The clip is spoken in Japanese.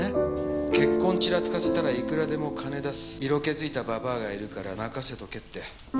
結婚ちらつかせたらいくらでも金出す色気づいたババアがいるから任せとけって。